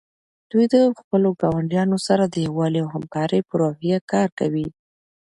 دوی د خپلو ګاونډیانو سره د یووالي او همکارۍ په روحیه کار کوي.